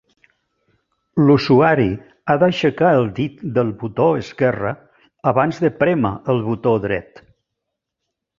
L'usuari ha d'aixecar el dit del botó esquerre abans de prémer el botó dret.